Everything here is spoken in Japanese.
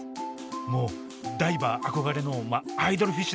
もうダイバー憧れのアイドルフィッシュですね。